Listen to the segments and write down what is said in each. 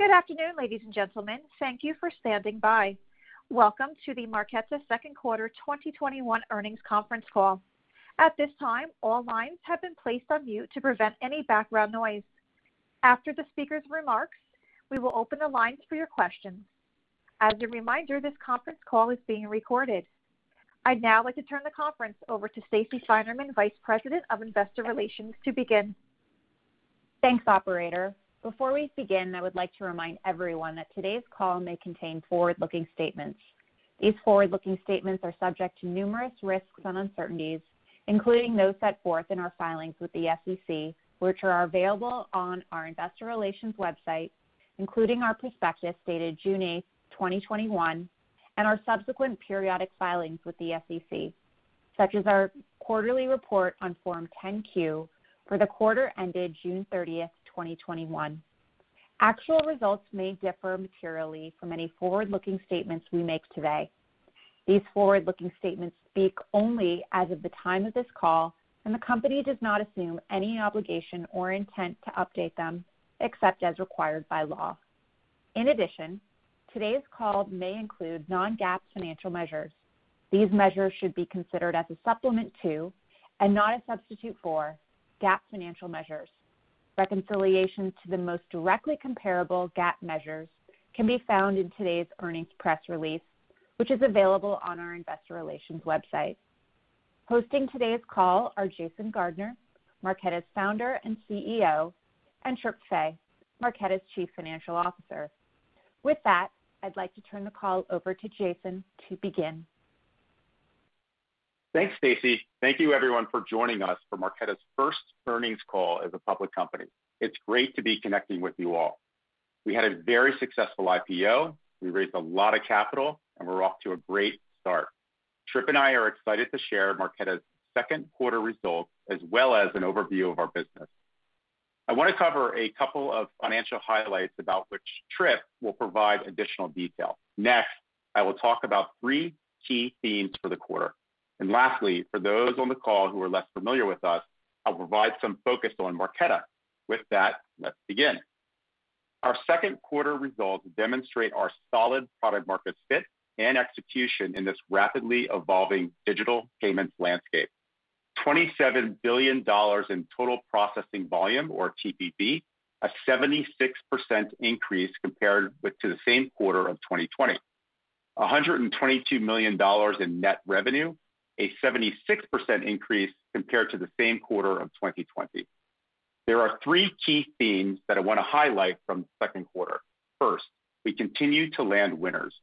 Good afternoon, ladies and gentlemen. Thank you for standing by. Welcome to the Marqeta second quarter 2021 earnings conference call. At this time, all lines have been placed on mute to prevent any background noise. After the speakers' remarks, we will open the lines for your questions. As a reminder, this conference call is being recorded. I'd now like to turn the conference over to Stacey Finerman, vice president of investor relations, to begin. Thanks, operator. Before we begin, I would like to remind everyone that today's call may contain forward-looking statements. These forward-looking statements are subject to numerous risks and uncertainties, including those set forth in our filings with the SEC, which are available on our investor relations website, including our prospectus dated June 8th, 2021, and our subsequent periodic filings with the SEC, such as our quarterly report on Form 10-Q for the quarter ended June 30th, 2021. Actual results may differ materially from any forward-looking statements we make today. These forward-looking statements speak only as of the time of this call, and the company does not assume any obligation or intent to update them except as required by law. In addition, today's call may include non-GAAP financial measures. These measures should be considered as a supplement to, and not a substitute for, GAAP financial measures. Reconciliation to the most directly comparable GAAP measures can be found in today's earnings press release, which is available on our investor relations website. Hosting today's call are Jason Gardner, Marqeta's Founder and CEO, and Tripp Faix, Marqeta's Chief Financial Officer. With that, I'd like to turn the call over to Jason to begin. Thanks, Stacey. Thank you, everyone, for joining us for Marqeta's first earnings call as a public company. It's great to be connecting with you all. We had a very successful IPO. We raised a lot of capital, and we're off to a great start. Tripp and I are excited to share Marqeta's second quarter results, as well as an overview of our business. I want to cover a couple of financial highlights about which Tripp will provide additional detail. Next, I will talk about three key themes for the quarter. Lastly, for those on the call who are less familiar with us, I'll provide some focus on Marqeta. With that, let's begin. Our second quarter results demonstrate our solid product market fit and execution in this rapidly evolving digital payments landscape. $27 billion in total processing volume, or TPV, a 76% increase compared to the same quarter of 2020. $122 million in net revenue, a 76% increase compared to the same quarter of 2020. There are three key themes that I want to highlight from the second quarter. First, we continue to land winners.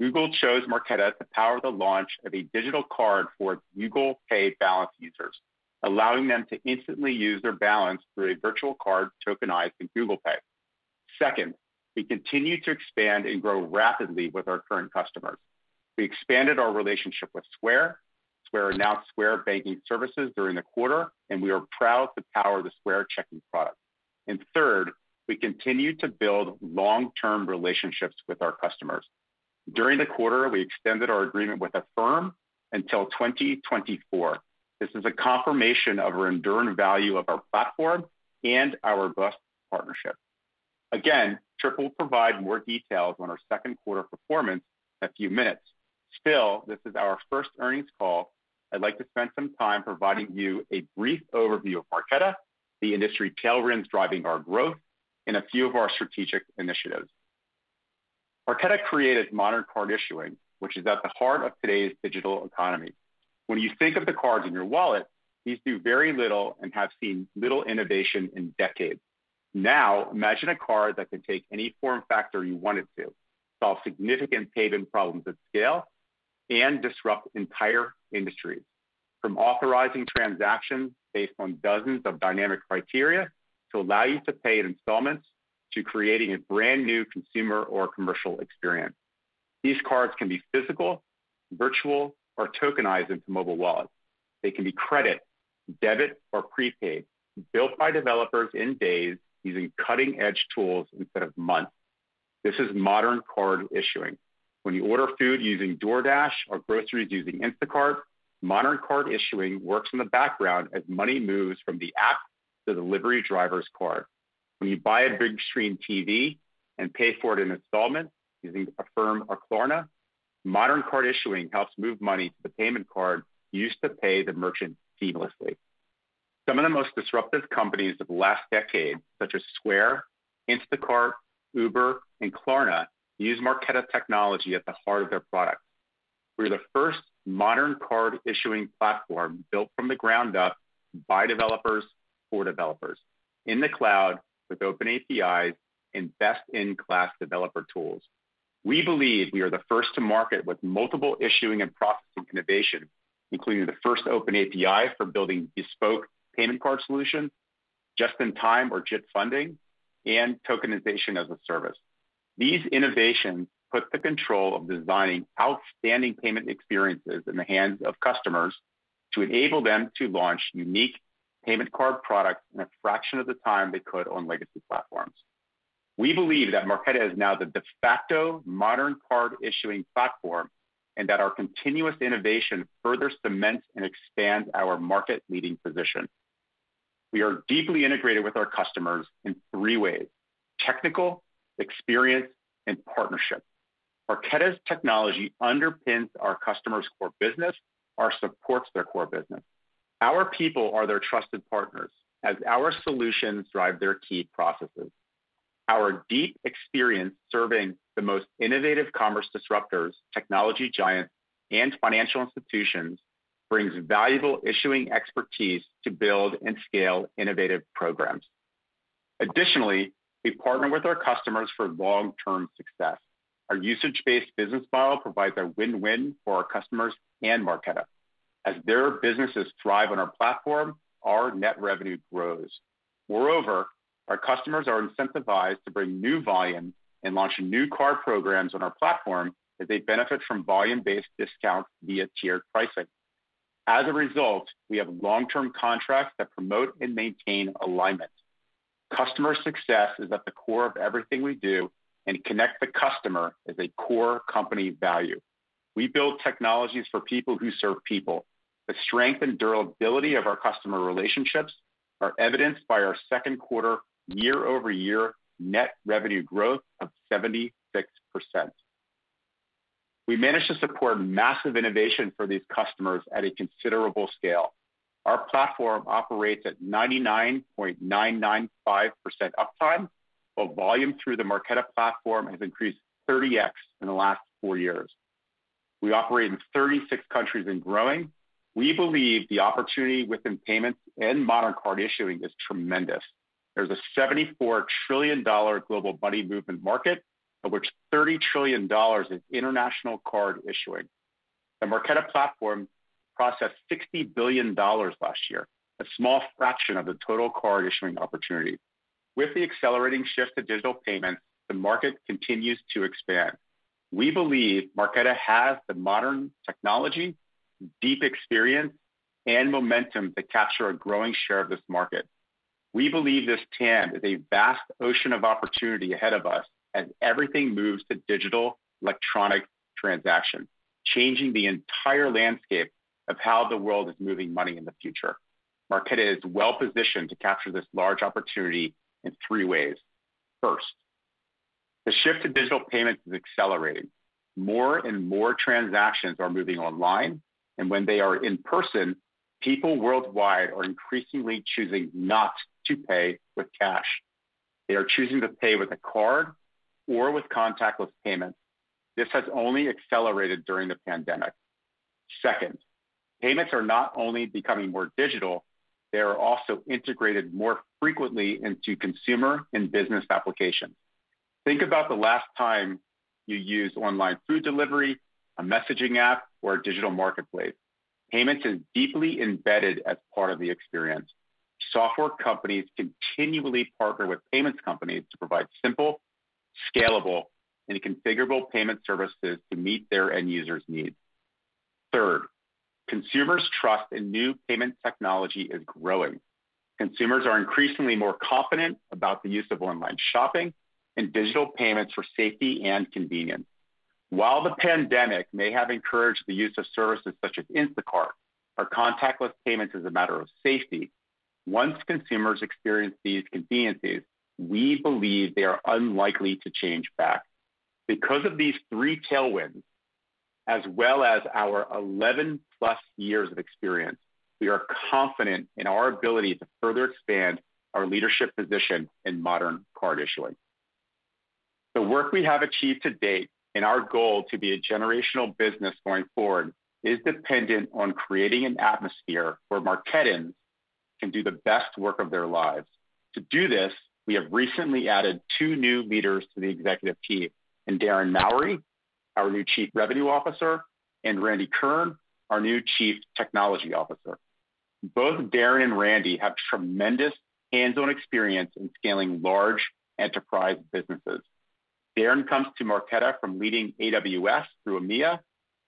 Google chose Marqeta to power the launch of a digital card for Google Pay balance users, allowing them to instantly use their balance through a virtual card tokenized in Google Pay. Second, we continue to expand and grow rapidly with our current customers. We expanded our relationship with Square. Square announced Square Banking services during the quarter, and we are proud to power the Square Checking product. Third, we continue to build long-term relationships with our customers. During the quarter, we extended our agreement with Affirm until 2024. This is a confirmation of our enduring value of our platform and our robust partnership. Tripp will provide more details on our second quarter performance in a few minutes. This is our first earnings call. I'd like to spend some time providing you a brief overview of Marqeta, the industry tailwinds driving our growth, and a few of our strategic initiatives. Marqeta created modern card issuing, which is at the heart of today's digital economy. When you think of the cards in your wallet, these do very little and have seen little innovation in decades. Imagine a card that can take any form factor you want it to, solve significant payment problems at scale, and disrupt entire industries, from authorizing transactions based on dozens of dynamic criteria, to allow you to pay in installments, to creating a brand-new consumer or commercial experience. These cards can be physical, virtual, or tokenized into mobile wallets. They can be credit, debit, or prepaid, built by developers in days using cutting-edge tools instead of months. This is modern card issuing. When you order food using DoorDash or groceries using Instacart, modern card issuing works in the background as money moves from the app to the delivery driver's card. When you buy a big-screen TV and pay for it in installments using Affirm or Klarna, modern card issuing helps move money to the payment card used to pay the merchant seamlessly. Some of the most disruptive companies of the last decade, such as Square, Instacart, Uber, and Klarna, use Marqeta technology at the heart of their products. We are the first modern card issuing platform built from the ground up by developers for developers in the cloud with open APIs and best-in-class developer tools. We believe we are the first to market with multiple issuing and processing innovation, including the first open API for building bespoke payment card solutions, Just-in-Time Funding, and Tokenization as a Service. These innovations put the control of designing outstanding payment experiences in the hands of customers to enable them to launch unique payment card products in a fraction of the time they could on legacy platforms. We believe that Marqeta is now the de facto modern card issuing platform, and that our continuous innovation further cements and expands our market-leading position. We are deeply integrated with our customers in three ways: technical, experience, and partnership. Marqeta's technology underpins our customers' core business or supports their core business. Our people are their trusted partners as our solutions drive their key processes. Our deep experience serving the most innovative commerce disruptors, technology giants, and financial institutions brings valuable issuing expertise to build and scale innovative programs. Additionally, we partner with our customers for long-term success. Our usage-based business model provides a win-win for our customers and Marqeta. As their businesses thrive on our platform, our net revenue grows. Moreover, our customers are incentivized to bring new volume and launch new card programs on our platform as they benefit from volume-based discounts via tiered pricing. As a result, we have long-term contracts that promote and maintain alignment. Customer success is at the core of everything we do, and connect the customer is a core company value. We build technologies for people who serve people. The strength and durability of our customer relationships are evidenced by our second quarter year-over-year net revenue growth of 76%. We managed to support massive innovation for these customers at a considerable scale. Our platform operates at 99.995% uptime, while volume through the Marqeta platform has increased 30x in the last four years. We operate in 36 countries and growing. We believe the opportunity within payments and modern card issuing is tremendous. There's a $74 trillion global money movement market, of which $30 trillion is international card issuing. The Marqeta platform processed $60 billion last year, a small fraction of the total card issuing opportunity. With the accelerating shift to digital payments, the market continues to expand. We believe Marqeta has the modern technology, deep experience, and momentum to capture a growing share of this market. We believe this TAM is a vast ocean of opportunity ahead of us as everything moves to digital electronic transaction, changing the entire landscape of how the world is moving money in the future. Marqeta is well-positioned to capture this large opportunity in three ways. First, the shift to digital payments is accelerating. More and more transactions are moving online, and when they are in person, people worldwide are increasingly choosing not to pay with cash. They are choosing to pay with a card or with contactless payment. This has only accelerated during the pandemic. Second, payments are not only becoming more digital, they are also integrated more frequently into consumer and business applications. Think about the last time you used online food delivery, a messaging app, or a digital marketplace. Payments is deeply embedded as part of the experience. Software companies continually partner with payments companies to provide simple, scalable, and configurable payment services to meet their end users' needs. Third, consumers' trust in new payment technology is growing. Consumers are increasingly more confident about the use of online shopping and digital payments for safety and convenience. While the pandemic may have encouraged the use of services such as Instacart or contactless payments as a matter of safety, once consumers experience these conveniences, we believe they are unlikely to change back. Because of these three tailwinds, as well as our 11+ years of experience, we are confident in our ability to further expand our leadership position in modern card issuing. The work we have achieved to date, and our goal to be a generational business going forward, is dependent on creating an atmosphere where Marquetans can do the best work of their lives. To do this, we have recently added two new leaders to the executive team in Darren Mowry, our new Chief Revenue Officer, and Randy Kern, our new Chief Technology Officer. Both Darren and Randy have tremendous hands-on experience in scaling large enterprise businesses. Darren comes to Marqeta from leading AWS through EMEA,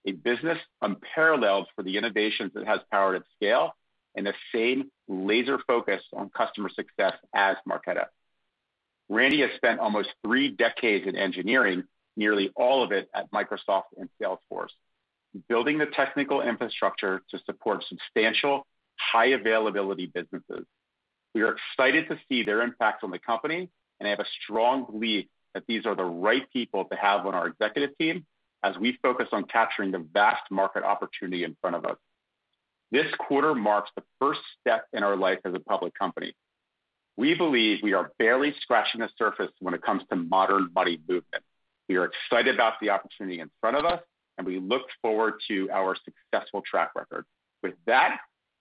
a business unparalleled for the innovations it has powered at scale, and the same laser focus on customer success as Marqeta. Randy has spent almost three decades in engineering, nearly all of it at Microsoft and Salesforce, building the technical infrastructure to support substantial high-availability businesses. We are excited to see their impact on the company, and have a strong belief that these are the right people to have on our executive team as we focus on capturing the vast market opportunity in front of us. This quarter marks the first step in our life as a public company. We believe we are barely scratching the surface when it comes to modern money movement. We are excited about the opportunity in front of us, and we look forward to our successful track record. With that,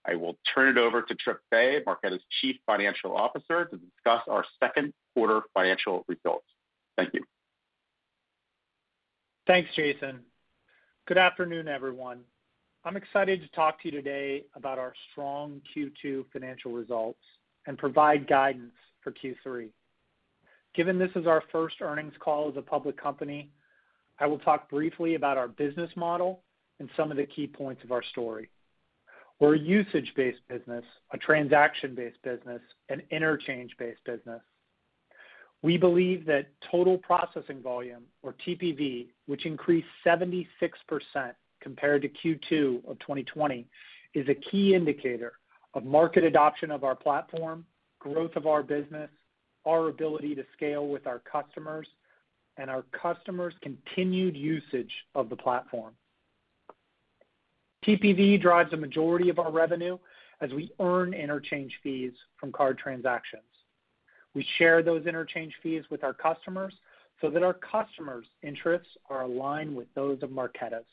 I will turn it over to Tripp Faix, Marqeta's Chief Financial Officer, to discuss our second quarter financial results. Thank you. Thanks, Jason. Good afternoon, everyone. I'm excited to talk to you today about our strong Q2 financial results and provide guidance for Q3. Given this is our first earnings call as a public company, I will talk briefly about our business model and some of the key points of our story. We're a usage-based business, a transaction-based business, an interchange-based business. We believe that Total Processing Volume, or TPV, which increased 76% compared to Q2 of 2020, is a key indicator of market adoption of our platform, growth of our business, our ability to scale with our customers, and our customers' continued usage of the platform. TPV drives a majority of our revenue as we earn interchange fees from card transactions. We share those interchange fees with our customers so that our customers' interests are aligned with those of Marqeta's.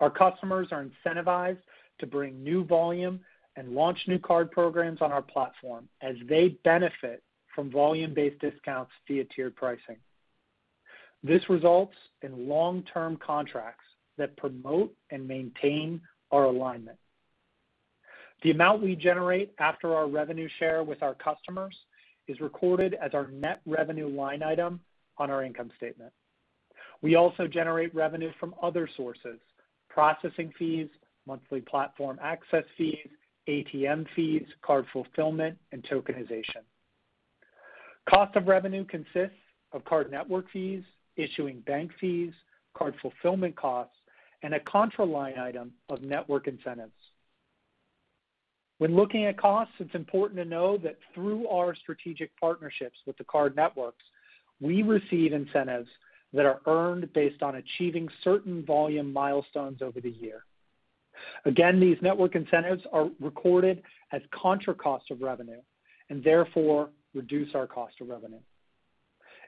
Our customers are incentivized to bring new volume and launch new card programs on our platform as they benefit from volume-based discounts via tiered pricing. This results in long-term contracts that promote and maintain our alignment. The amount we generate after our revenue share with our customers is recorded as our net revenue line item on our income statement. We also generate revenue from other sources, processing fees, monthly platform access fees, ATM fees, card fulfillment, and tokenization. Cost of revenue consists of card network fees, issuing bank fees, card fulfillment costs, and a contra line item of network incentives. When looking at costs, it's important to know that through our strategic partnerships with the card networks, we receive incentives that are earned based on achieving certain volume milestones over the year. These network incentives are recorded as contra cost of revenue and therefore reduce our cost of revenue.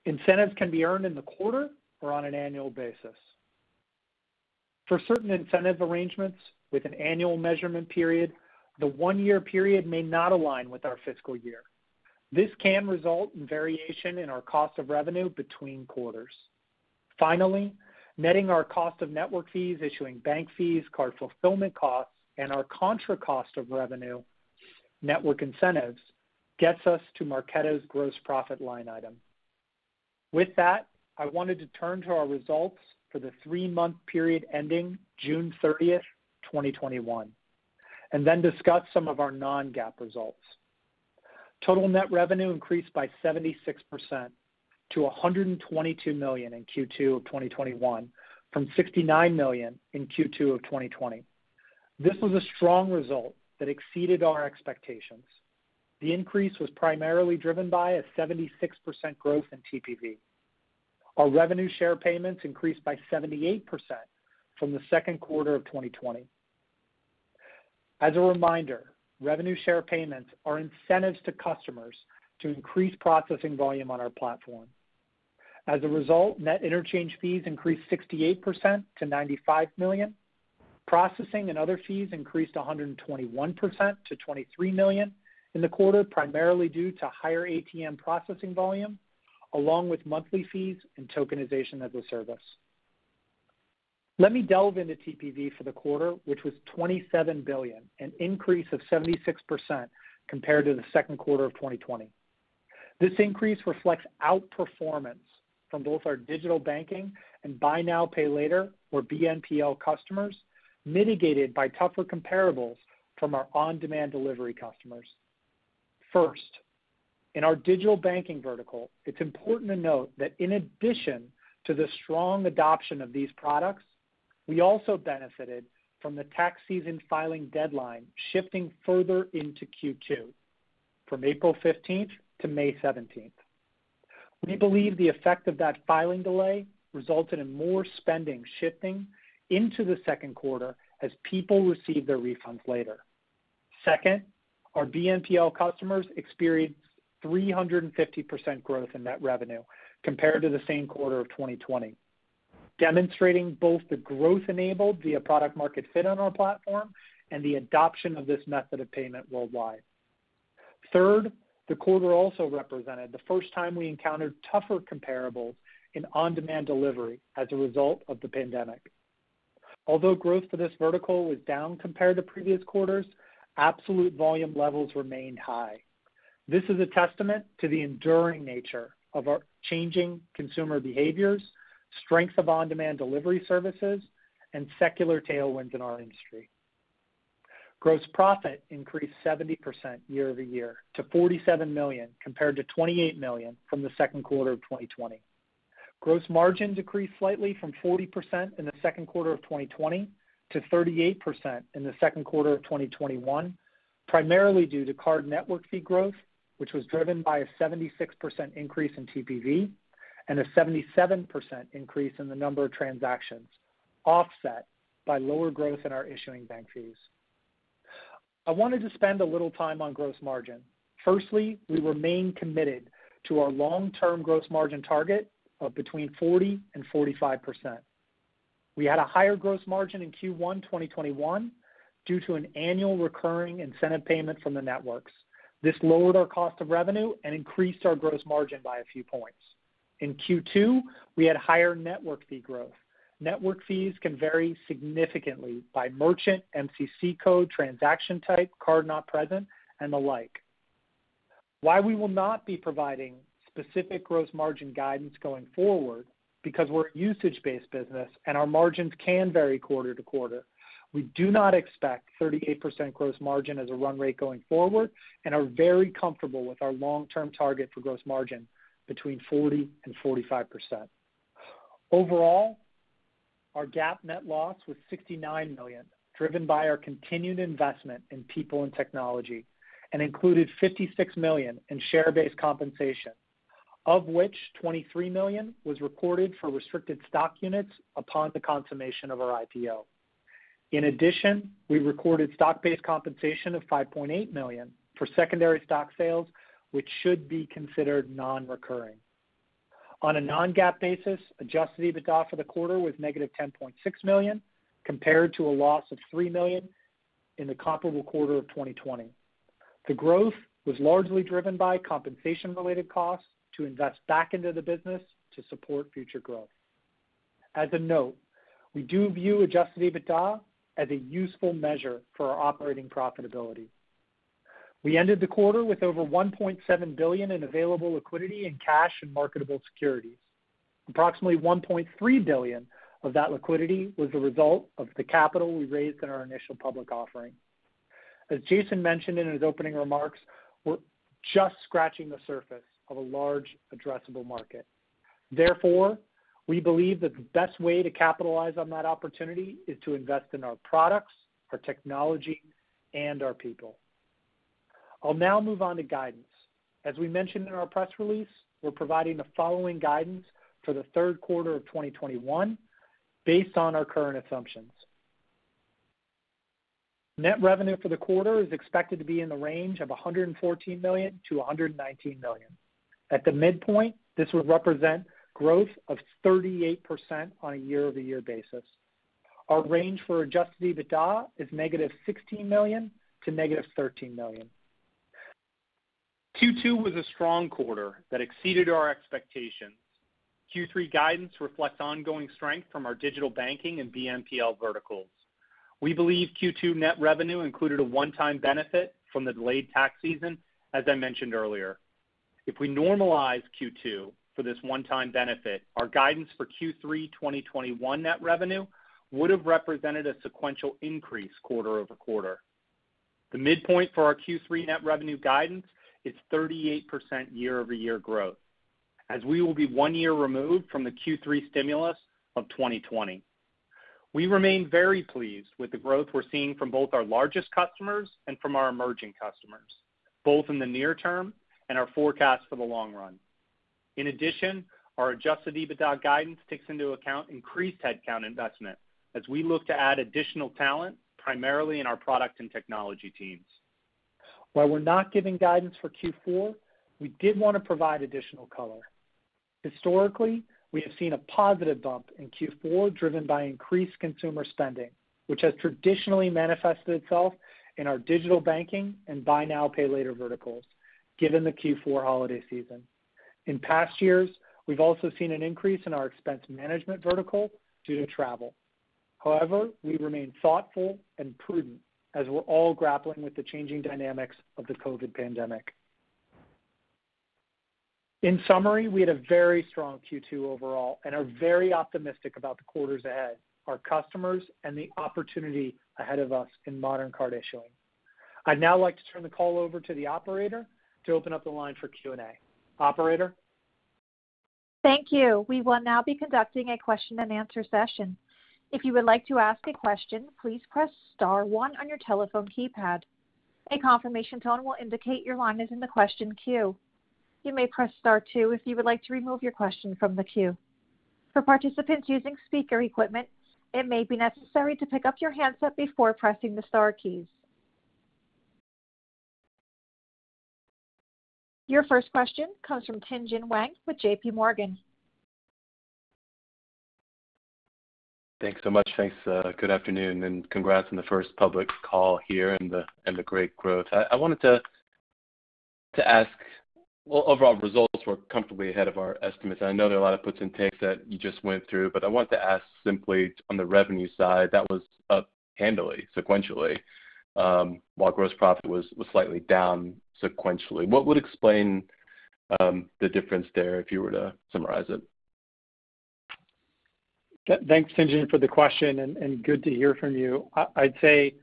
Incentives can be earned in the quarter or on an annual basis. For certain incentive arrangements with an annual measurement period, the one-year period may not align with our fiscal year. This can result in variation in our cost of revenue between quarters. Finally, netting our cost of network fees, issuing bank fees, card fulfillment costs, and our contra cost of revenue network incentives gets us to Marqeta's gross profit line item. With that, I wanted to turn to our results for the three-month period ending June 30th, 2021, and then discuss some of our non-GAAP results. Total net revenue increased by 76% to $122 million in Q2 of 2021 from $69 million in Q2 of 2020. This was a strong result that exceeded our expectations. The increase was primarily driven by a 76% growth in TPV. Our revenue share payments increased by 78% from the second quarter of 2020. As a reminder, revenue share payments are incentives to customers to increase processing volume on our platform. As a result, net interchange fees increased 68% to $95 million. Processing and other fees increased 121% to $23 million in the quarter, primarily due to higher ATM processing volume, along with monthly fees and Tokenization as a Service. Let me delve into TPV for the quarter, which was $27 billion, an increase of 76% compared to the second quarter of 2020. This increase reflects outperformance from both our digital banking and Buy Now, Pay Later, or BNPL customers, mitigated by tougher comparables from our on-demand delivery customers. First, in our digital banking vertical, it's important to note that in addition to the strong adoption of these products, we also benefited from the tax season filing deadline shifting further into Q2 from April 15th to May 17th. We believe the effect of that filing delay resulted in more spending shifting into the second quarter as people received their refunds later. Our BNPL customers experienced 350% growth in net revenue compared to the same quarter of 2020, demonstrating both the growth enabled via product market fit on our platform and the adoption of this method of payment worldwide. The quarter also represented the first time we encountered tougher comparables in on-demand delivery as a result of the pandemic. Growth for this vertical was down compared to previous quarters, absolute volume levels remained high. This is a testament to the enduring nature of our changing consumer behaviors, strength of on-demand delivery services, and secular tailwinds in our industry. Gross profit increased 70% year-over-year to $47 million, compared to $28 million from the second quarter of 2020. Gross margin decreased slightly from 40% in the second quarter of 2020 to 38% in the second quarter of 2021, primarily due to card network fee growth, which was driven by a 76% increase in TPV and a 77% increase in the number of transactions, offset by lower growth in our issuing bank fees. I wanted to spend a little time on gross margin. Firstly, we remain committed to our long-term gross margin target of between 40% and 45%. We had a higher gross margin in Q1 2021 due to an annual recurring incentive payment from the networks. This lowered our cost of revenue and increased our gross margin by a few points. In Q2, we had higher network fee growth. Network fees can vary significantly by merchant, MCC code, transaction type, card not present, and the like. Why we will not be providing specific gross margin guidance going forward, because we're a usage-based business and our margins can vary quarter to quarter, we do not expect 38% gross margin as a run rate going forward and are very comfortable with our long-term target for gross margin between 40% and 45%. Overall Our GAAP net loss was $69 million, driven by our continued investment in people and technology, and included $56 million in share-based compensation, of which $23 million was recorded for restricted stock units upon the consummation of our IPO. In addition, we recorded stock-based compensation of $5.8 million for secondary stock sales, which should be considered non-recurring. On a non-GAAP basis, adjusted EBITDA for the quarter was negative $10.6 million compared to a loss of $3 million in the comparable quarter of 2020. The growth was largely driven by compensation-related costs to invest back into the business to support future growth. As a note, we do view adjusted EBITDA as a useful measure for our operating profitability. We ended the quarter with over $1.7 billion in available liquidity in cash and marketable securities. Approximately $1.3 billion of that liquidity was the result of the capital we raised in our initial public offering. As Jason mentioned in his opening remarks, we're just scratching the surface of a large addressable market. Therefore, we believe that the best way to capitalize on that opportunity is to invest in our products, our technology, and our people. I'll now move on to guidance. As we mentioned in our press release, we're providing the following guidance for the third quarter of 2021 based on our current assumptions. Net revenue for the quarter is expected to be in the range of $114 million - $119 million. At the midpoint, this would represent growth of 38% on a year-over-year basis. Our range for adjusted EBITDA is -$16 million to -$13 million. Q2 was a strong quarter that exceeded our expectations. Q3 guidance reflects ongoing strength from our digital banking and BNPL verticals. We believe Q2 net revenue included a one-time benefit from the delayed tax season, as I mentioned earlier. If we normalize Q2 for this one-time benefit, our guidance for Q3 2021 net revenue would have represented a sequential increase quarter-over-quarter. The midpoint for our Q3 net revenue guidance is 38% year-over-year growth, as we will be one year removed from the Q3 stimulus of 2020. We remain very pleased with the growth we're seeing from both our largest customers and from our emerging customers, both in the near term and our forecast for the long run. In addition, our adjusted EBITDA guidance takes into account increased headcount investment as we look to add additional talent, primarily in our product and technology teams. While we're not giving guidance for Q4, we did want to provide additional color. Historically, we have seen a positive bump in Q4 driven by increased consumer spending, which has traditionally manifested itself in our digital banking and buy now, pay later verticals given the Q4 holiday season. In past years, we've also seen an increase in our expense management vertical due to travel. However, we remain thoughtful and prudent as we're all grappling with the changing dynamics of the COVID pandemic. In summary, we had a very strong Q2 overall and are very optimistic about the quarters ahead, our customers, and the opportunity ahead of us in modern card issuing. I'd now like to turn the call over to the operator to open up the line for Q&A. Operator? Thank you. Your first question comes from Tien-Tsin Huang with J.P. Morgan. Thanks so much. Thanks. Good afternoon, and congrats on the first public call here and the great growth. I wanted to ask, well, overall results were comfortably ahead of our estimates, and I know there are a lot of puts and takes that you just went through, but I wanted to ask simply on the revenue side, that was up handily sequentially, while gross profit was slightly down sequentially. What would explain the difference there if you were to summarize it? Thanks, Tien-Tsin, for the question. Good to hear from you. I'd say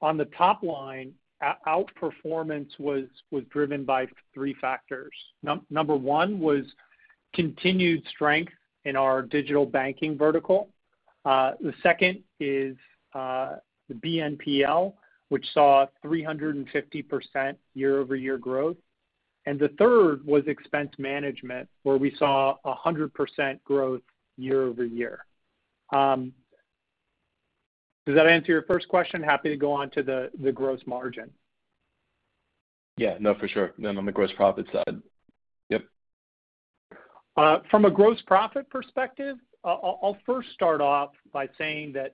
on the top line, outperformance was driven by three factors. Number one was continued strength in our digital banking vertical. The second is the BNPL, which saw 350% year-over-year growth. The third was expense management, where we saw 100% growth year-over-year. Does that answer your first question? Happy to go on to the gross margin. Yeah. No, for sure. On the gross profit side. Yep. From a gross profit perspective, I'll first start off by saying that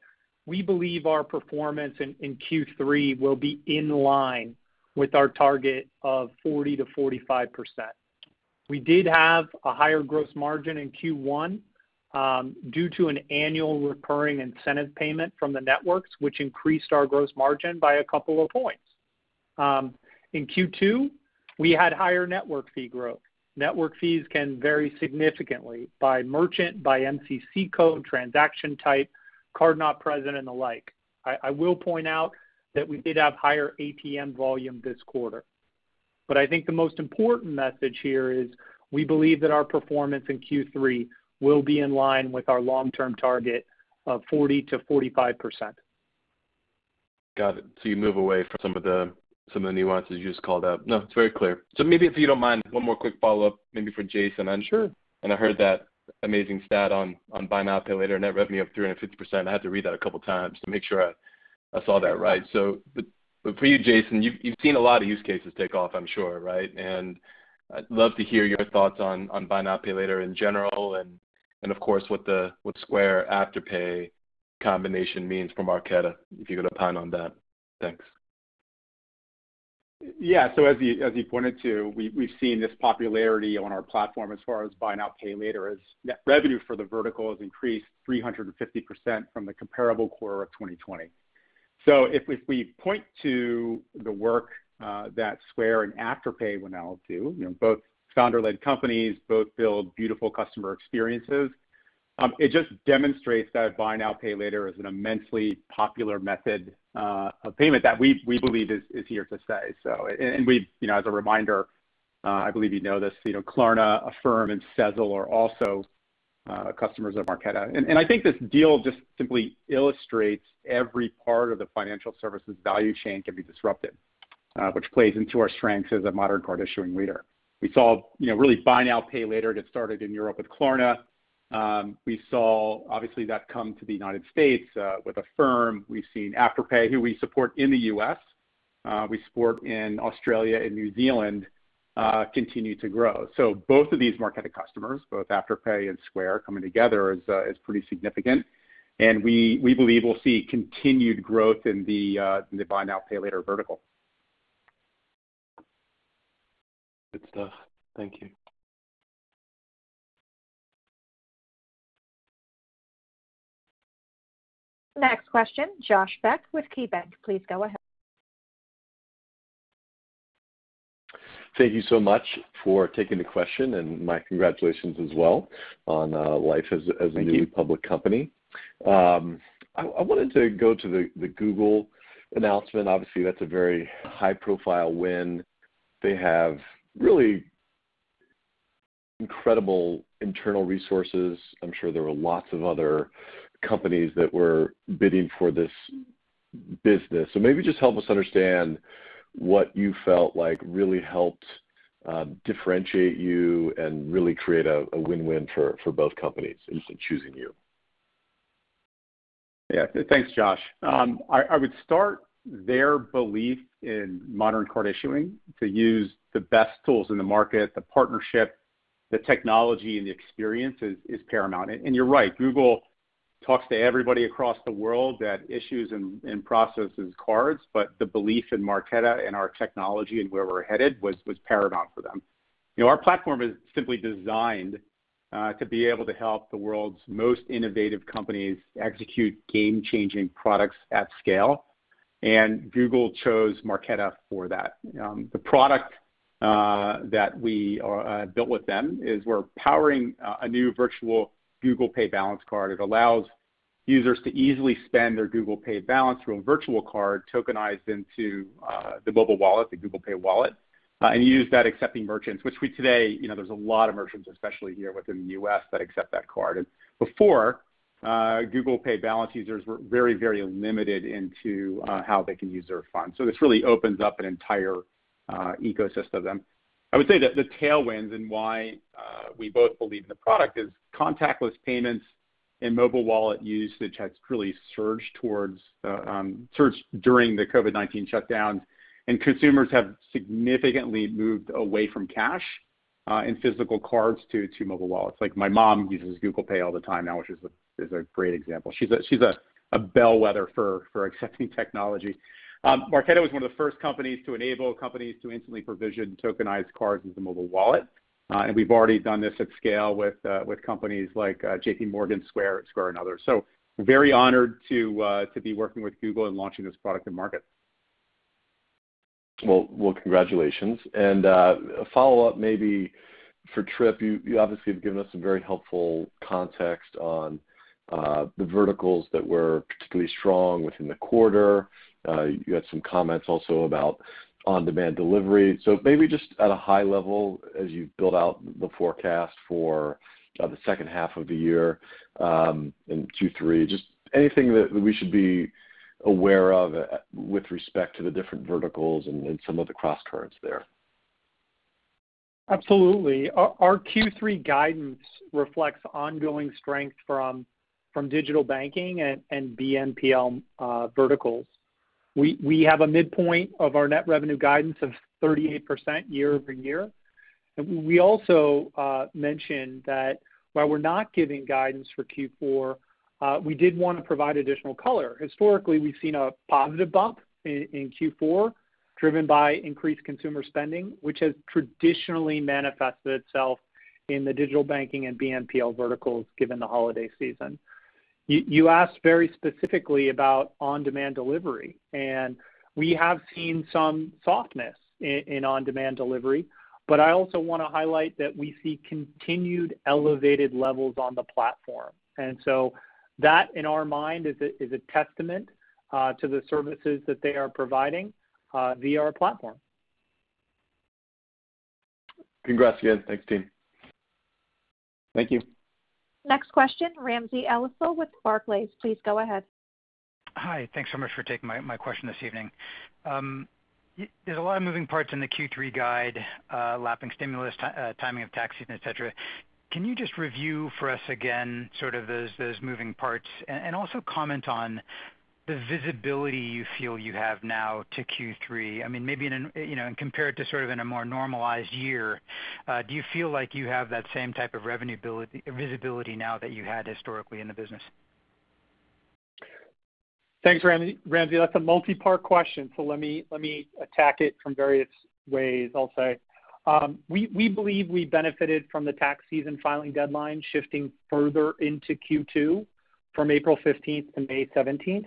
we believe our performance in Q3 will be in line with our target of 40% - 45%. We did have a higher gross margin in Q1 due to an annual recurring incentive payment from the networks, which increased our gross margin by a couple of points. In Q2, we had higher network fee growth. Network fees can vary significantly by merchant, by MCC code, transaction type, card not present, and the like. I will point out that we did have higher ATM volume this quarter. I think the most important message here is we believe that our performance in Q3 will be in line with our long-term target of 40%-45%. Got it. You move away from some of the nuances you just called out. No, it's very clear. Maybe if you don't mind, one more quick follow-up, maybe for Jason, I'm sure. I heard that amazing stat on buy now, pay later, net revenue up 350%. I had to read that a couple of times to make sure I saw that right. For you, Jason, you've seen a lot of use cases take off, I'm sure, right? I'd love to hear your thoughts on buy now, pay later in general, and of course, what the Square Afterpay combination means for Marqeta, if you could opine on that. Thanks. Yeah. As you pointed to, we've seen this popularity on our platform as far as buy now, pay later. As net revenue for the vertical has increased 350% from the comparable quarter of 2020. If we point to the work that Square and Afterpay went out to, both founder-led companies, both build beautiful customer experiences. It just demonstrates that buy now, pay later is an immensely popular method of payment that we believe is here to stay. As a reminder, I believe you know this, Klarna, Affirm, and Sezzle are also customers of Marqeta. I think this deal just simply illustrates every part of the financial services value chain can be disrupted, which plays into our strengths as a modern card-issuing leader. We saw really buy now, pay later get started in Europe with Klarna. We saw, obviously, that come to the U.S. with Affirm. We've seen Afterpay, who we support in the U.S., we support in Australia and New Zealand, continue to grow. Both of these Marqeta customers, both Afterpay and Square coming together is pretty significant, and we believe we'll see continued growth in the buy now, pay later vertical. Good stuff. Thank you. Next question, Josh Beck with KeyBanc. Please go ahead. Thank you so much for taking the question, and my congratulations as well on Thank you. why it is the new public company. I wanted to go to the Google announcement. That's a very high-profile win. They have really incredible internal resources. I'm sure there were lots of other companies that were bidding for this business. Maybe just help us understand what you felt like really helped differentiate you and really create a win-win for both companies in choosing you. Thanks, Josh. I would start their belief in modern card issuing, to use the best tools in the market, the partnership, the technology, and the experience is paramount. You're right, Google talks to everybody across the world that issues and processes cards. The belief in Marqeta and our technology and where we're headed was paramount for them. Our platform is simply designed to be able to help the world's most innovative companies execute game-changing products at scale, and Google chose Marqeta for that. The product that we built with them is we're powering a new virtual Google Pay balance card. It allows users to easily spend their Google Pay balance through a virtual card tokenized into the mobile wallet, the Google Pay wallet, and use that accepting merchants, which we today, there's a lot of merchants, especially here within the U.S., that accept that card. Before, Google Pay balance users were very limited into how they can use their funds. This really opens up an entire ecosystem then. I would say that the tailwinds and why we both believe in the product is contactless payments and mobile wallet usage has really surged during the COVID-19 shutdown, and consumers have significantly moved away from cash and physical cards to mobile wallets. Like my mom uses Google Pay all the time now, which is a great example. She's a bellwether for accepting technology. Marqeta was one of the first companies to enable companies to instantly provision tokenized cards into mobile wallet. We've already done this at scale with companies like JP Morgan, Square, and others. Very honored to be working with Google in launching this product to market. Well, congratulations. A follow-up maybe for Tripp. You obviously have given us some very helpful context on the verticals that were particularly strong within the quarter. You had some comments also about on-demand delivery. Maybe just at a high level as you build out the forecast for the second half of the year, in Q3, just anything that we should be aware of with respect to the different verticals and some of the cross-currents there? Our Q3 guidance reflects ongoing strength from digital banking and BNPL verticals. We have a midpoint of our net revenue guidance of 38% year-over-year. We also mentioned that while we're not giving guidance for Q4, we did want to provide additional color. Historically, we've seen a positive bump in Q4 driven by increased consumer spending, which has traditionally manifested itself in the digital banking and BNPL verticals given the holiday season. You asked very specifically about on-demand delivery, and we have seen some softness in on-demand delivery. I also want to highlight that we see continued elevated levels on the platform, and so that, in our mind, is a testament to the services that they are providing via our platform. Congrats again. Thanks, team. Thank you. Next question, Ramsey El-Assal with Barclays. Please go ahead. Hi. Thanks so much for taking my question this evening. There's a lot of moving parts in the Q3 guide, lapping stimulus, timing of tax season, et cetera. Can you just review for us again, sort of those moving parts? Also comment on the visibility you feel you have now to Q3. Maybe compare it to sort of in a more normalized year. Do you feel like you have that same type of visibility now that you had historically in the business? Thanks, Ramsey. That's a multi-part question. Let me attack it from various ways, I'll say. We believe we benefited from the tax season filing deadline shifting further into Q2 from April 15th to May 17th.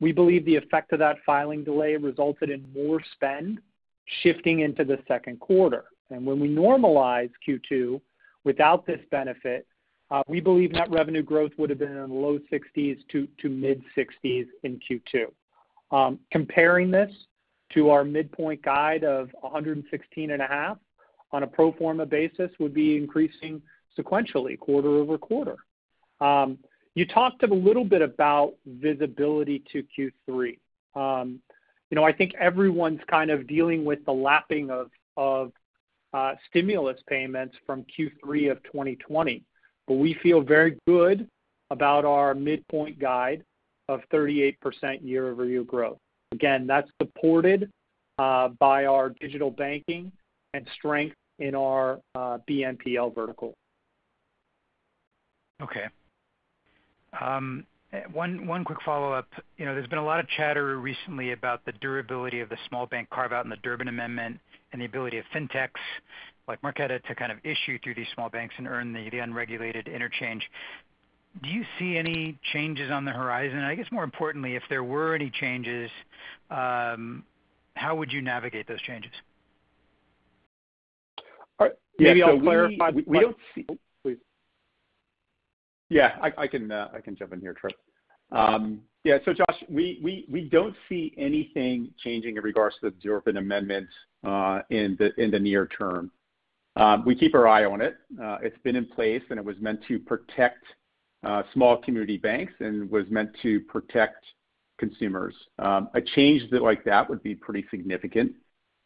We believe the effect of that filing delay resulted in more spend shifting into the second quarter. When we normalize Q2 without this benefit, we believe net revenue growth would've been in the low 60s to mid 60s in Q2. Comparing this to our midpoint guide of 116 and a half on a pro forma basis would be increasing sequentially quarter-over-quarter. You talked a little bit about visibility to Q3. I think everyone's kind of dealing with the lapping of stimulus payments from Q3 of 2020. We feel very good about our midpoint guide of 38% year-over-year growth. That's supported by our digital banking and strength in our BNPL vertical. Okay. One quick follow-up. There's been a lot of chatter recently about the durability of the small bank carve-out and the Durbin Amendment, and the ability of fintechs like Marqeta to kind of issue through these small banks and earn the unregulated interchange. Do you see any changes on the horizon? I guess more importantly, if there were any changes, how would you navigate those changes? All right. Yeah. Maybe I'll clarify. We don't see- oh, please. I can jump in here, Tripp. Josh, we don't see anything changing in regards to the Durbin Amendment in the near term. We keep our eye on it. It's been in place, and it was meant to protect small community banks and was meant to protect consumers. A change like that would be pretty significant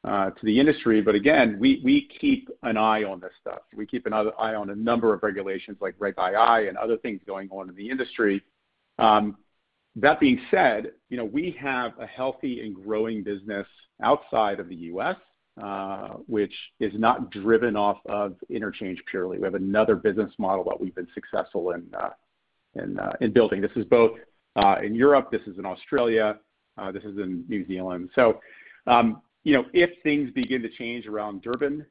to the industry. Again, we keep an eye on this stuff. We keep an eye on a number of regulations like Reg II and other things going on in the industry. That being said, we have a healthy and growing business outside of the U.S., which is not driven off of interchange purely. We have another business model that we've been successful in building. This is both in Europe, this is in Australia, this is in New Zealand. If things begin to change around Durbin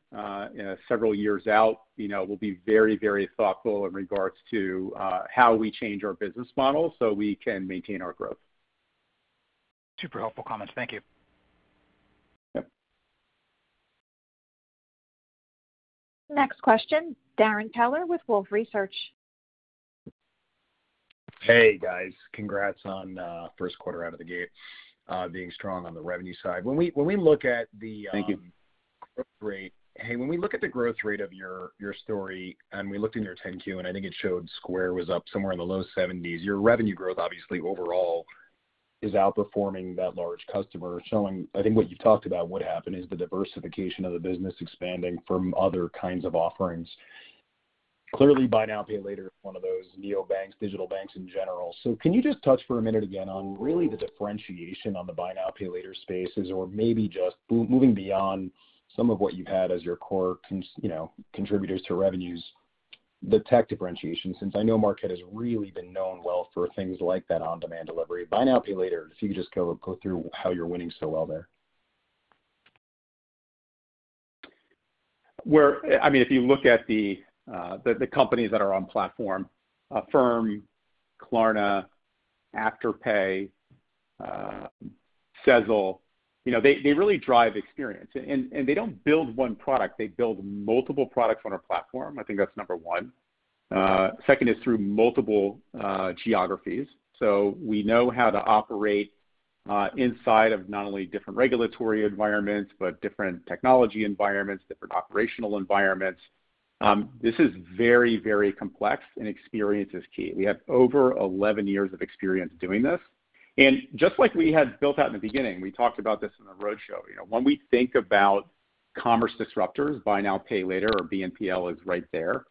several years out, we'll be very thoughtful in regards to how we change our business model so we can maintain our growth. Super helpful comments. Thank you. Yep. Next question, Darrin Peller with Wolfe Research. Hey, guys. Congrats on first quarter out of the gate, being strong on the revenue side. Thank you. When we look at the growth rate of your story, and we looked in your 10-Q, and I think it showed Square was up somewhere in the low 70s. Your revenue growth obviously overall is outperforming that large customer. Showing, I think, what you talked about would happen is the diversification of the business expanding from other kinds of offerings. Clearly, buy now, pay later, one of those neobanks, digital banks in general. Can you just touch for a minute again on really the differentiation on the buy now, pay later spaces or maybe just moving beyond some of what you had as your core contributors to revenues, the tech differentiation. Since I know Marqeta has really been known well for things like that on-demand delivery. Buy now, pay later, if you could just go through how you're winning so well there. If you look at the companies that are on platform, Affirm, Klarna, Afterpay, Sezzle, they really drive experience. They don't build 1 product, they build multiple products on our platform. I think that's number one. Second is through multiple geographies. We know how to operate inside of not only different regulatory environments but different technology environments, different operational environments. This is very complex, and experience is key. We have over 11 years of experience doing this. Just like we had built out in the beginning, we talked about this in the roadshow. When we think about commerce disruptors, buy now, pay later or BNPL is right there.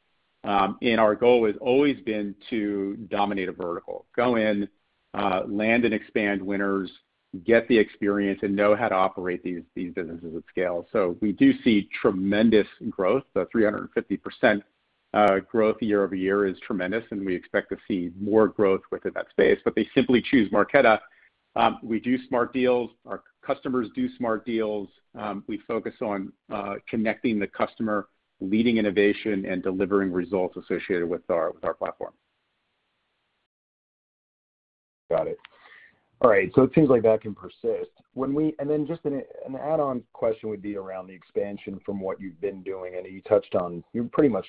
Our goal has always been to dominate a vertical. Go in, land and expand winners, get the experience, and know how to operate these businesses at scale. We do see tremendous growth. The 350% growth year-over-year is tremendous, and we expect to see more growth within that space. They simply choose Marqeta. We do smart deals. Our customers do smart deals. We focus on connecting the customer, leading innovation, and delivering results associated with our platform. It seems like that can persist. Just an add-on question would be around the expansion from what you've been doing. I know you touched on you pretty much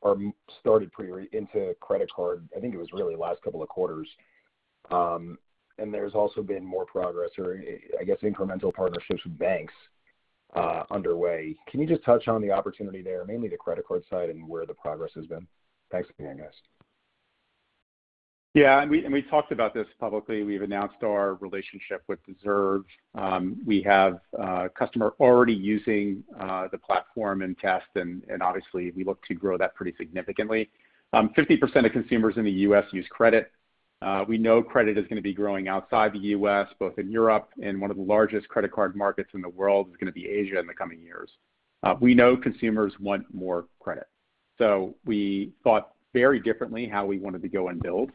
or started into credit card, I think it was really last couple of quarters. There's also been more progress, or I guess incremental partnerships with banks underway. Can you just touch on the opportunity there, mainly the credit card side and where the progress has been? Thanks again, guys. Yeah. We talked about this publicly. We've announced our relationship with Deserve. We have a customer already using the platform and test, and obviously we look to grow that pretty significantly. 50% of consumers in the U.S. use credit. We know credit is going to be growing outside the U.S., both in Europe and one of the largest credit card markets in the world is going to be Asia in the coming years. We know consumers want more credit. We thought very differently how we wanted to go and build.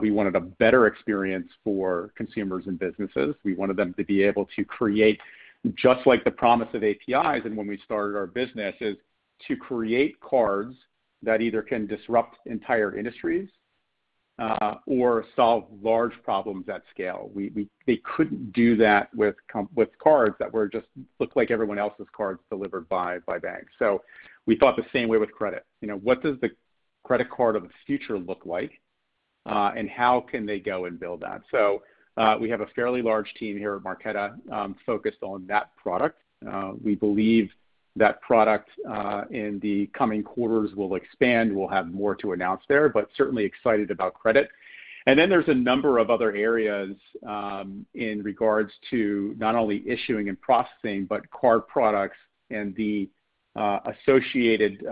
We wanted a better experience for consumers and businesses. We wanted them to be able to create, just like the promise of APIs and when we started our business, is to create cards that either can disrupt entire industries or solve large problems at scale. They couldn't do that with cards that just looked like everyone else's cards delivered by banks. We thought the same way with credit. What does the credit card of the future look like? How can they go and build that? We have a fairly large team here at Marqeta focused on that product. We believe that product in the coming quarters will expand. We'll have more to announce there, but certainly excited about credit. There's a number of other areas in regards to not only issuing and processing, but card products and the associated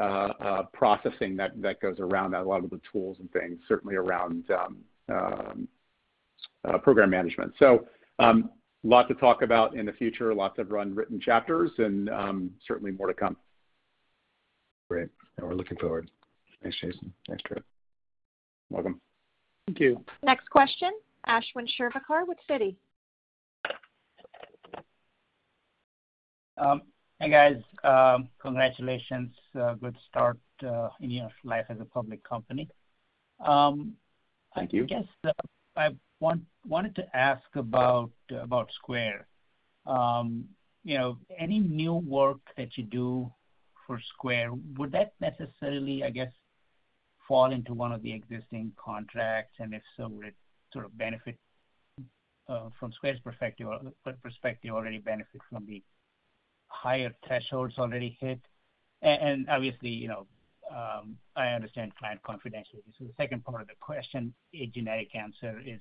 processing that goes around that. A lot of the tools and things, certainly around program management. Lot to talk about in the future. Lots of unwritten chapters and certainly more to come. Great. We're looking forward. Thanks, Jason. Thanks, Tripp. Welcome. Thank you. Next question, Ashwin Shirvaikar with Citi. Hey, guys. Congratulations. Good start in your life as a public company. Thank you. I guess I wanted to ask about Square. Any new work that you do for Square, would that necessarily, I guess, fall into one of the existing contracts? If so, would it sort of benefit from Square's perspective, already benefit from the higher thresholds already hit? Obviously, I understand client confidentiality. The second part of the question, a generic answer is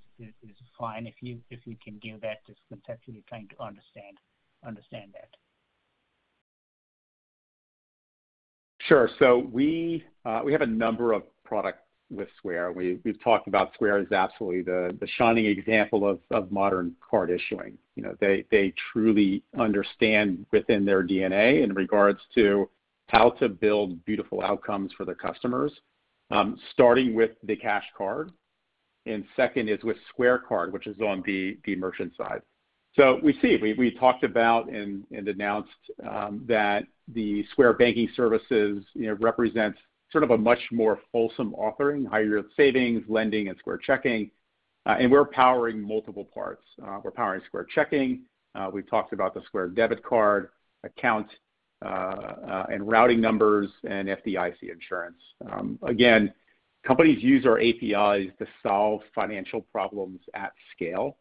fine if you can give that. Just conceptually trying to understand that. Sure. We have a number of products with Square. We've talked about Square as absolutely the shining example of modern card issuing. They truly understand within their DNA in regards to how to build beautiful outcomes for their customers, starting with the Cash Card. Second is with Square Card, which is on the merchant side. We talked about and announced that the Square Banking represents sort of a much more fulsome offering, high-yield savings, lending, and Square Checking. We're powering multiple parts. We're powering Square Checking. We've talked about the Square debit card account and routing numbers and FDIC insurance. Companies use our APIs to solve financial problems at scale,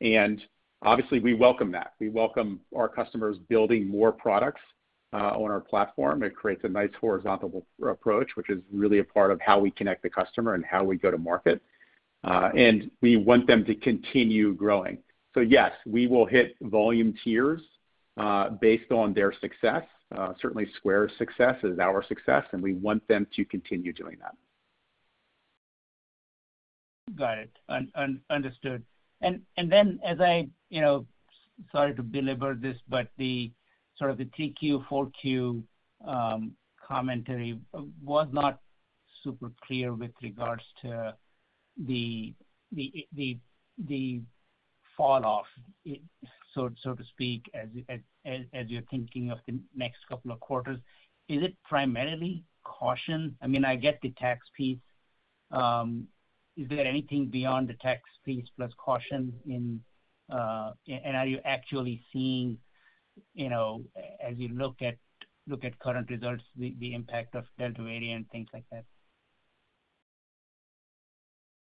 and obviously, we welcome that. We welcome our customers building more products on our platform. It creates a nice horizontal approach, which is really a part of how we connect the customer and how we go to market. We want them to continue growing. Yes, we will hit volume tiers based on their success. Certainly Square's success is our success, and we want them to continue doing that. Got it. Understood. Sorry to belabor this, but the sort of the 3Q, 4Q commentary was not super clear with regards to the fall-off, so to speak, as you're thinking of the next couple of quarters. Is it primarily caution? I get the tax piece. Is there anything beyond the tax piece plus caution? Are you actually seeing, as you look at current results, the impact of Delta variant and things like that?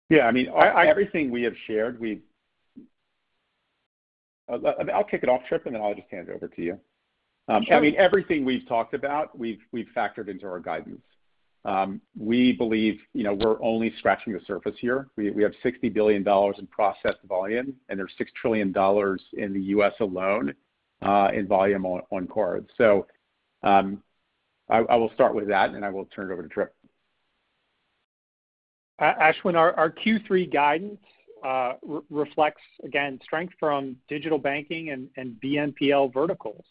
Yeah. Everything we have shared, we've I'll kick it off, Tripp, and then I'll just hand it over to you. Sure. Everything we've talked about, we've factored into our guidance. We believe we're only scratching the surface here. We have $60 billion in processed volume, and there's $6 trillion in the U.S. alone in volume on card. I will start with that, and then I will turn it over to Tripp. Ashwin, our Q3 guidance reflects, again, strength from digital banking and BNPL verticals.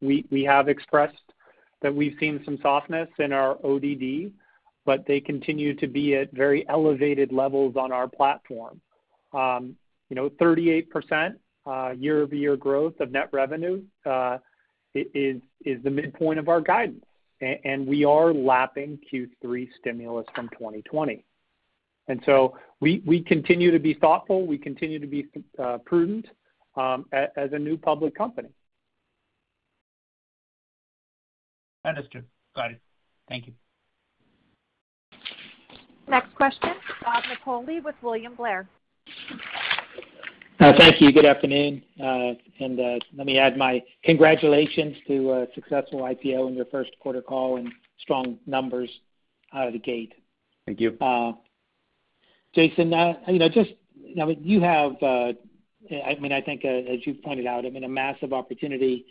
We have expressed that we've seen some softness in our ODD, but they continue to be at very elevated levels on our platform. 38% year-over-year growth of net revenue is the midpoint of our guidance, and we are lapping Q3 stimulus from 2020. We continue to be thoughtful. We continue to be prudent as a new public company. Understood. Got it. Thank you. Next question, Robert Napoli with William Blair. Thank you. Good afternoon. Let me add my congratulations to a successful IPO in your first quarter call and strong numbers out of the gate. Thank you. Jason, I think as you've pointed out, a massive opportunity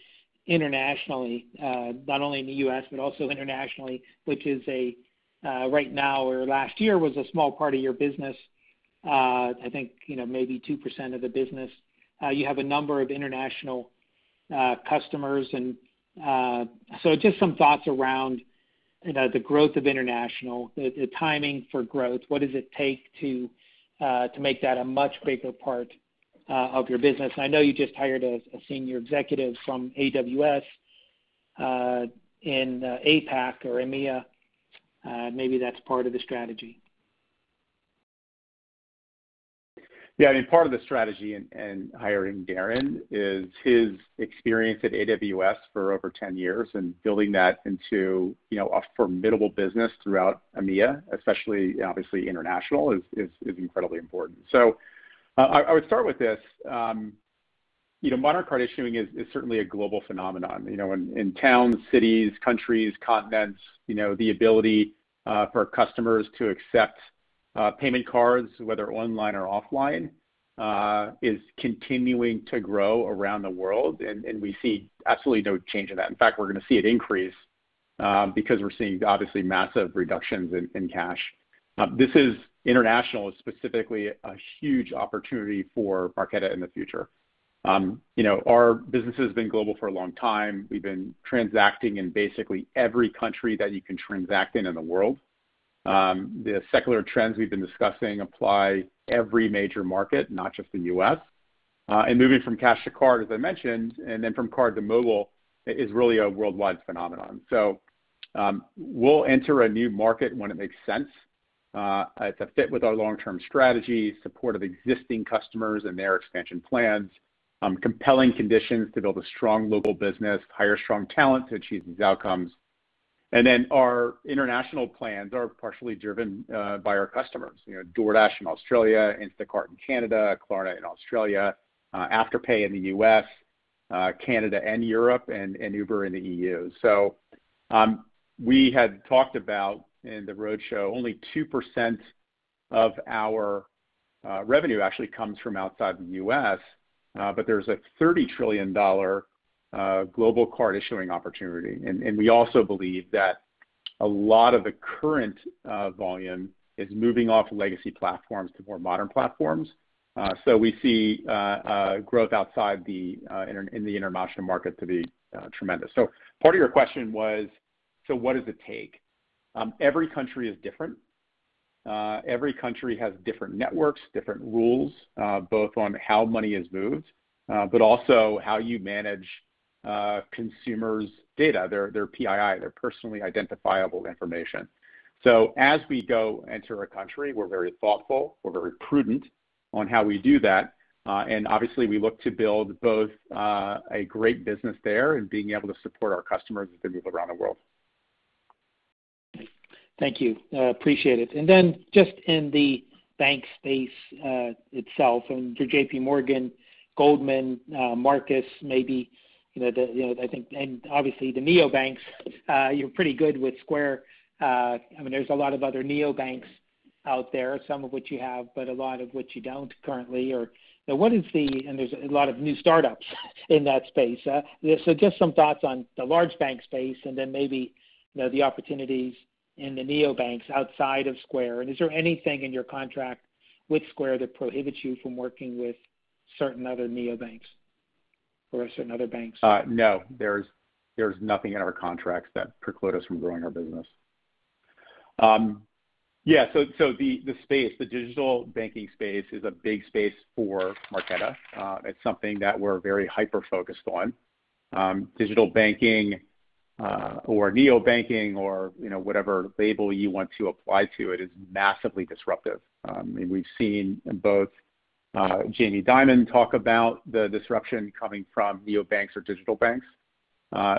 internationally, not only in the U.S. but also internationally, which right now or last year was a small part of your business. I think maybe 2% of the business. You have a number of international customers. Just some thoughts around the growth of international, the timing for growth. What does it take to make that a much bigger part of your business? I know you just hired a senior executive from AWS in APAC or EMEA. Maybe that's part of the strategy. Part of the strategy in hiring Darren is his experience at AWS for over 10 years and building that into a formidable business throughout EMEA, especially, obviously, international, is incredibly important. I would start with this. Modern card issuing is certainly a global phenomenon. In towns, cities, countries, continents, the ability for customers to accept payment cards, whether online or offline, is continuing to grow around the world, and we see absolutely no change in that. In fact, we're going to see it increase because we're seeing obviously massive reductions in cash. This is international, specifically a huge opportunity for Marqeta in the future. Our business has been global for a long time. We've been transacting in basically every country that you can transact in in the world. The secular trends we've been discussing apply every major market, not just the U.S. Moving from cash to card, as I mentioned, from card to mobile, is really a worldwide phenomenon. We'll enter a new market when it makes sense. It's a fit with our long-term strategy, support of existing customers and their expansion plans, compelling conditions to build a strong local business, hire strong talent to achieve these outcomes. Our international plans are partially driven by our customers. DoorDash in Australia, Instacart in Canada, Klarna in Australia, Afterpay in the U.S., Canada, and Europe, Uber in the E.U. We had talked about in the roadshow, only 2% of our revenue actually comes from outside the U.S., but there's a $30 trillion global card-issuing opportunity. We also believe that a lot of the current volume is moving off legacy platforms to more modern platforms. We see growth outside in the international market to be tremendous. Part of your question was, what does it take? Every country is different. Every country has different networks, different rules, both on how money is moved, but also how you manage consumers' data, their PII, their personally identifiable information. As we go enter a country, we're very thoughtful, we're very prudent on how we do that. Obviously, we look to build both a great business there and being able to support our customers as they move around the world. Thank you. Appreciate it. Just in the bank space itself and for JP Morgan, Goldman, Marcus, maybe, I think, and obviously the neobanks, you're pretty good with Square. There's a lot of other neobanks out there, some of which you have, but a lot of which you don't currently. There's a lot of new startups in that space. Just some thoughts on the large bank space and then maybe the opportunities in the neobanks outside of Square. Is there anything in your contract with Square that prohibits you from working with certain other neobanks or certain other banks? No, there's nothing in our contracts that preclude us from growing our business. Yeah. The digital banking space is a big space for Marqeta. It's something that we're very hyper-focused on. Digital banking or neobanking or whatever label you want to apply to it is massively disruptive. We've seen both Jamie Dimon talk about the disruption coming from neobanks or digital banks.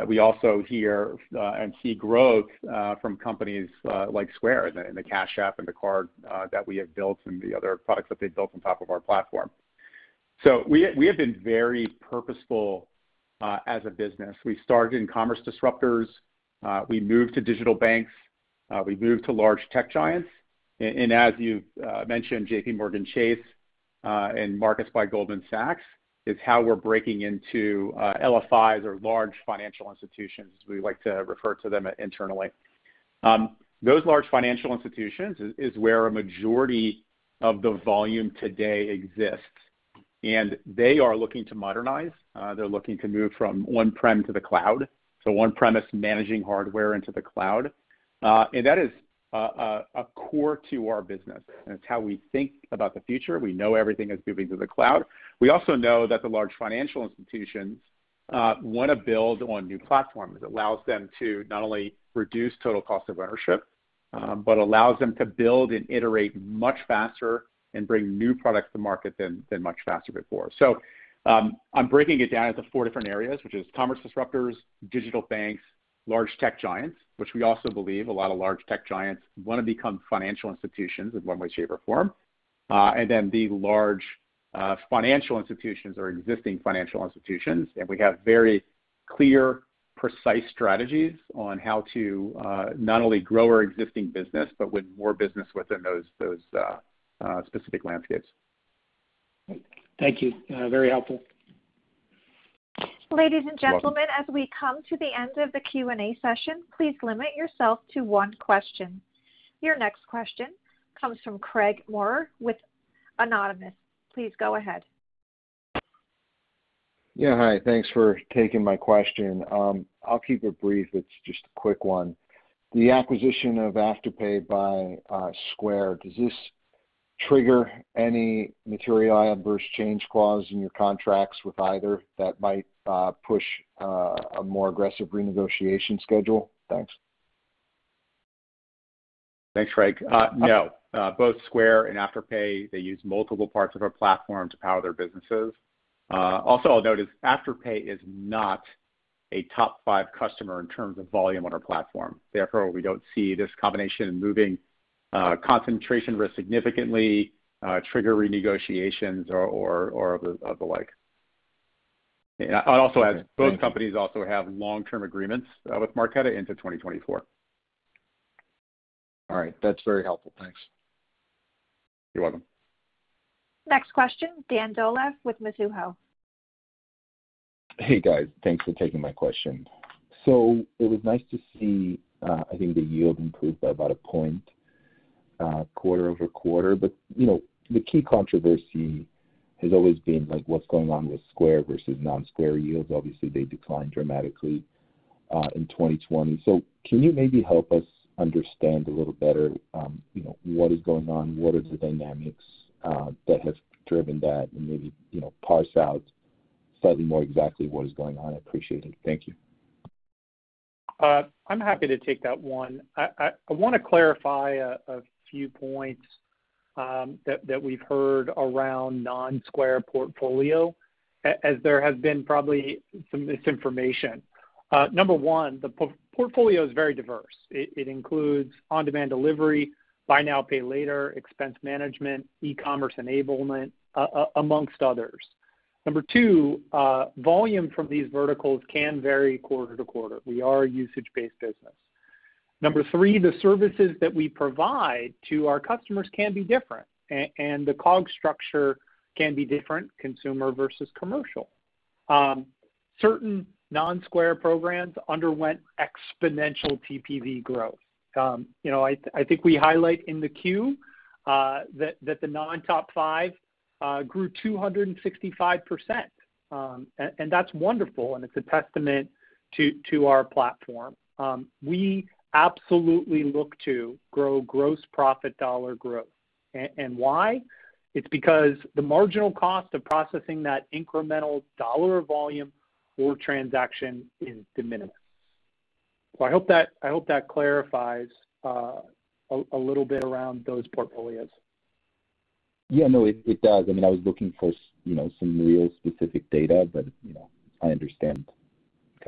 We also hear and see growth from companies like Square in the Cash App and the card that we have built and the other products that they've built on top of our platform. We have been very purposeful as a business. We started in commerce disruptors. We moved to digital banks. We moved to large tech giants. As you've mentioned, J Morgan Chase and Marcus by Goldman Sachs is how we're breaking into LFIs or large financial institutions, as we like to refer to them internally. Those large financial institutions is where a majority of the volume today exists, and they are looking to modernize. They're looking to move from on-prem to the cloud, so on-premise managing hardware into the cloud. That is a core to our business, and it's how we think about the future. We know everything is moving to the cloud. We also know that the large financial institutions want to build on new platforms. It allows them to not only reduce total cost of ownership. Allows them to build and iterate much faster and bring new products to market than much faster before. I'm breaking it down into four different areas, which is commerce disruptors, digital banks, large tech giants, which we also believe a lot of large tech giants want to become financial institutions in one way, shape, or form. Then the large financial institutions or existing financial institutions. We have very clear, precise strategies on how to not only grow our existing business, but with more business within those specific landscapes. Great. Thank you. Very helpful. Ladies and gentlemen. You're welcome. as we come to the end of the Q&A session, please limit yourself to one question. Your next question comes from Craig Maurer with Autonomous Research. Please go ahead. Yeah. Hi, thanks for taking my question. I'll keep it brief. It's just a quick one. The acquisition of Afterpay by Square, does this trigger any material adverse change clause in your contracts with either that might push a more aggressive renegotiation schedule? Thanks. Thanks, Craig. No. Both Square and Afterpay, they use multiple parts of our platform to power their businesses. Also, I'll note is Afterpay is not a top five customer in terms of volume on our platform. Therefore, we don't see this combination moving concentration risk significantly, trigger renegotiations or of the like. Okay. Thank you. I'd also add, both companies also have long-term agreements with Marqeta into 2024. All right. That's very helpful. Thanks. You're welcome. Next question, Dan Dolev with Mizuho. It was nice to see, I think the yield improved by about a point, quarter-over-quarter. The key controversy has always been like, what's going on with Square versus non-Square yields. Obviously, they declined dramatically in 2020. Can you maybe help us understand a little better, what is going on? What is the dynamics that have driven that, and maybe parse out slightly more exactly what is going on? I appreciate it. Thank you. I'm happy to take that one. I want to clarify a few points that we've heard around non-Square portfolio, as there has been probably some misinformation. Number one, the portfolio is very diverse. It includes on-demand delivery, buy now, pay later, expense management, e-commerce enablement, amongst others. Number two, volume from these verticals can vary quarter to quarter. We are a usage-based business. Number three, the services that we provide to our customers can be different, and the cost structure can be different, consumer versus commercial. Certain non-Square programs underwent exponential TPV growth. I think we highlight in the Q that the non-top five grew 265%, and that's wonderful, and it's a testament to our platform. We absolutely look to grow gross profit dollar growth. Why? It's because the marginal cost of processing that incremental dollar volume or transaction is de minimis. I hope that clarifies a little bit around those portfolios. Yeah, no, it does. I was looking for some real specific data, but I understand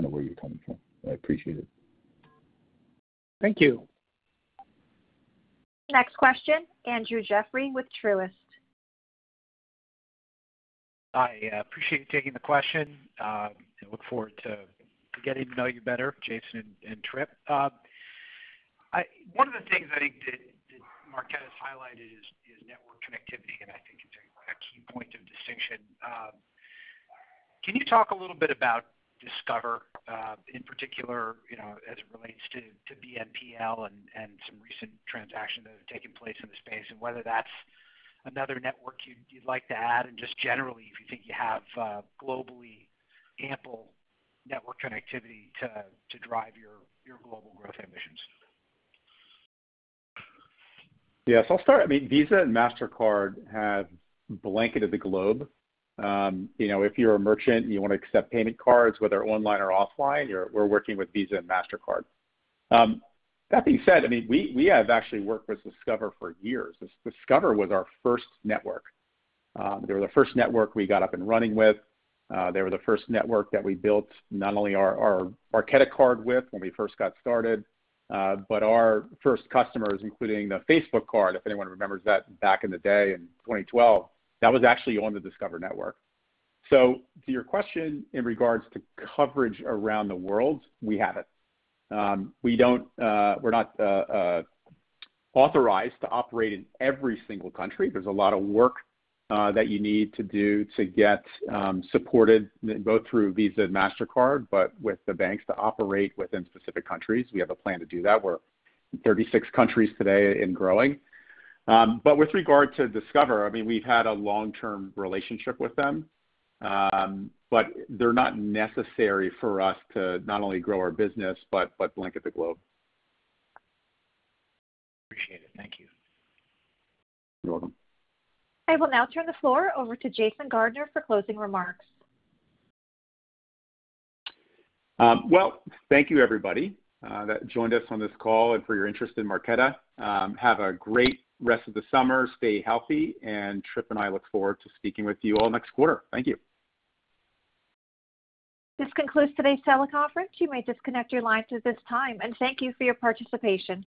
where you're coming from. I appreciate it. Thank you. Next question, Andrew Jeffrey with Truist. I appreciate you taking the question. I look forward to getting to know you better, Jason and Tripp. One of the things I think that Marqeta has highlighted is network connectivity, and I think it's a key point of distinction. Can you talk a little bit about Discover, in particular, as it relates to BNPL and some recent transactions that have taken place in the space, and whether that's another network you'd like to add, and just generally, if you think you have globally ample network connectivity to drive your global growth ambitions? I'll start. Visa and Mastercard have blanketed the globe. If you're a merchant and you want to accept payment cards, whether online or offline, we're working with Visa and Mastercard. That being said, we have actually worked with Discover for years. Discover was our first network. They were the first network we got up and running with. They were the first network that we built, not only our Marqeta card with when we first got started, but our first customers, including the Facebook card, if anyone remembers that back in the day in 2012. That was actually on the Discover network. To your question in regards to coverage around the world, we have it. We're not authorized to operate in every single country. There's a lot of work that you need to do to get supported, both through Visa and Mastercard, but with the banks to operate within specific countries. We have a plan to do that. We're in 36 countries today and growing. With regard to Discover, we've had a long-term relationship with them. They're not necessary for us to not only grow our business, but blanket the globe. Appreciate it. Thank you. You're welcome. I will now turn the floor over to Jason Gardner for closing remarks. Well, thank you everybody that joined us on this call and for your interest in Marqeta. Have a great rest of the summer. Stay healthy. Tripp and I look forward to speaking with you all next quarter. Thank you. This concludes today's teleconference. You may disconnect your lines at this time, and thank you for your participation.